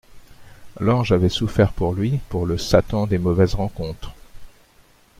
L'ange avait souffert pour lui, pour le Satan des mauvaises rencontres.